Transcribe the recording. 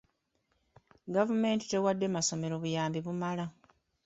Gavumenti tewadde masomero buyambi bumala.